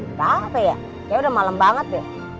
gila apa ya kayaknya udah malem banget deh